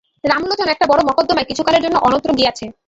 রামলোচন একটা বড়ো মকদ্দমায় কিছুকালের জন্য অন্যত্র গিয়াছে।